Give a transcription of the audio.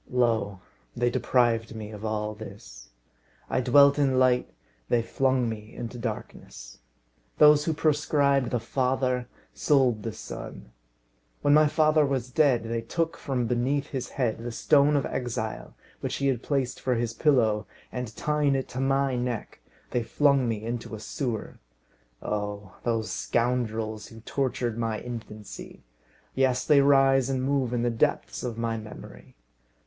Lo! they deprived me of all this. I dwelt in light, they flung me into darkness. Those who proscribed the father, sold the son. When my father was dead, they took from beneath his head the stone of exile which he had placed for his pillow, and, tying it to my neck, they flung me into a sewer. Oh! those scoundrels who tortured my infancy! Yes, they rise and move in the depths of my memory.